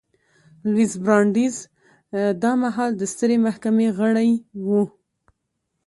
لویس براندیز دا مهال د سترې محکمې غړی و.